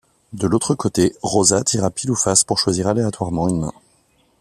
De l'autre côté Rosa tire à pile ou face pour choisir aléatoirement une main.